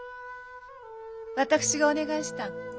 私がお願いしたん。